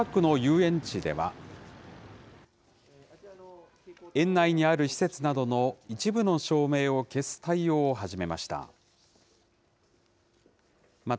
園内にある施設などの一部の照明を消す対応を始めました。